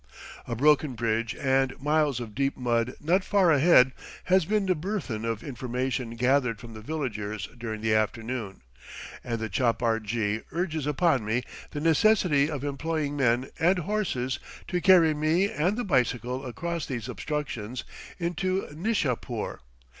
A broken bridge and miles of deep mud not far ahead has been the burthen of information gathered from the villagers during the afternoon, and the chapar jee urges upon me the necessity of employing men and horses to carry me and the bicycle across these obstructions into Nishapoor.